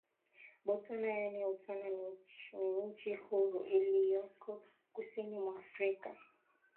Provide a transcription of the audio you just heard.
Botswana yaani Utswana ni nchi huru iliyoko Kusini mwa Afrika